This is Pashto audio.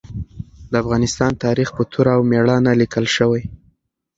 د افغانستان تاریخ په توره او مېړانه لیکل شوی.